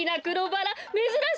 めずらしいわね。